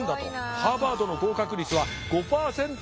ハーバードの合格率は５％未満。